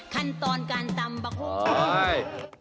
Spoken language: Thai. ขั้นตอนการตำบังคุย